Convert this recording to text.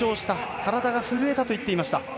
体が震えたと言っていました。